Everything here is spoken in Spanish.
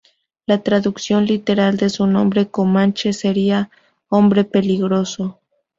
La traducción literal de su nombre comanche sería "Hombre Peligroso".